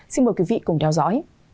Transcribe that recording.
xin mời quý vị cùng theo dõi